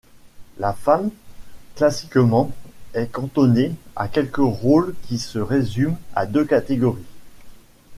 La femme, classiquement, est cantonnée à quelques rôles qui se résument à deux catégories.